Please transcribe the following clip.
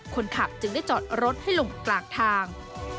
คนขับจึงได้จอดรถให้ลงกลางทาง